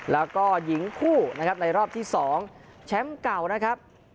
แล้วก็หญิงคู่นะครับในรอบที่๒แชมป์เก่านะครับ